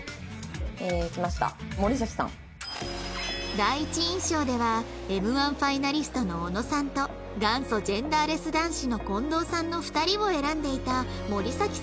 第一印象では Ｍ−１ ファイナリストの小野さんと元祖ジェンダーレス男子のこんどうさんの２人を選んでいた森咲さんですが